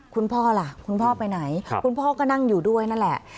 คุณพ่อล่ะคุณพ่อไปไหนคุณพ่อก็นั่งอยู่ด้วยนั่นแหละ